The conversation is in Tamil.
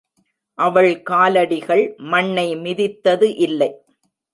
அவள் காலடிகள் மண்ணை மிதித்தது இல்லை.